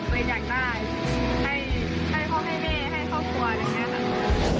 ให้พ่อให้เมให้ครอบครัวอะไรแบบนี้